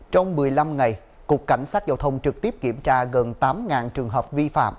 trong một mươi năm ngày cục cảnh sát giao thông trực tiếp kiểm tra gần tám trường hợp vi phạm